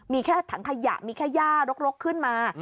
มีแค่ถังขยะมีแค่ย่ารกขึ้นมา